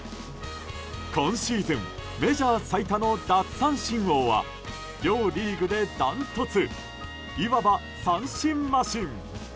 今シーズンメジャー最多の奪三振王は両リーグで断トツいわば三振マシン。